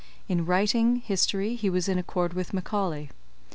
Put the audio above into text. In writing, history, he was in accord with Macaulay.